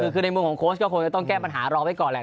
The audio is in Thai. คือในมุมของโค้ชก็คงจะต้องแก้ปัญหารอไว้ก่อนแหละ